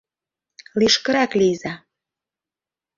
— Лишкырак лийза.